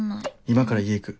「今から家行く」。